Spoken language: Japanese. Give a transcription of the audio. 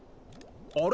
あれ？